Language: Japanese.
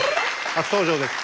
初登場です。